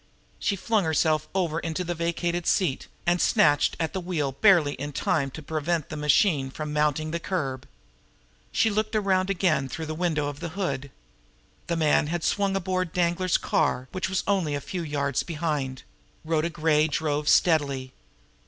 She flung herself over into the vacated seat, and snatched at the wheel barely in time to prevent the machine from mounting the curb. She looked around again through the window of the hood. The man had swung aboard Danglar's car, which was only a few yards behind. Rhoda Gray drove steadily.